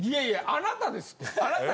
あなたですって。